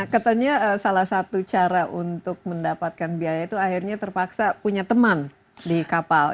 katanya salah satu cara untuk mendapatkan biaya itu akhirnya terpaksa punya teman di kapal